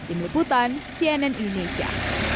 inu putan cnn indonesia